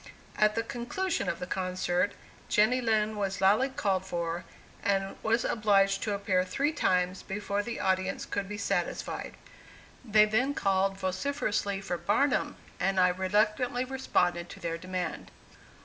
At the conclusion of the concert Jenny Lind was loudly called for, and was obliged to appear three times before the audience could be satisfied. They then called vociferously for "Barnum," and I reluctantly responded to their demand.